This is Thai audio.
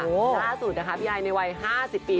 ล่าสุดนะคะพี่ไอในวัย๕๐ปี